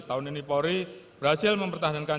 tahun ini polri berhasil mempertahankan